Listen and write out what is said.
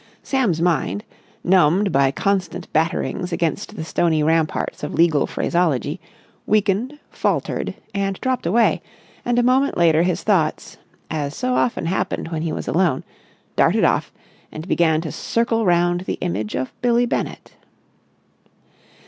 Sam's mind, numbed by constant batterings against the stony ramparts of legal phraseology, weakened, faltered, and dropped away; and a moment later his thoughts, as so often happened when he was alone, darted off and began to circle round the image of Billie Bennett.